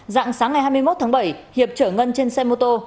rạng sáng ngày hai mươi một tháng bảy hiệp trở ngân trên xe mô tô